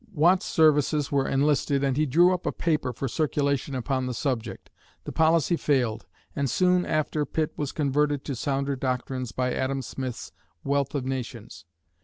Watt's services were enlisted and he drew up a paper for circulation upon the subject. The policy failed, and soon after Pitt was converted to sounder doctrines by Adam Smith's "Wealth of Nations."